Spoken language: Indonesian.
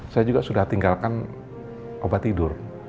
saya juga sudah tinggalkan obat tidur